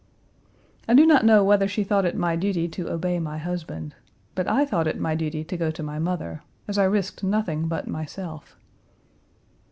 I do not know whether she thought it my duty to obey my husband. But I thought it my duty to go to my mother, as I risked nothing but myself.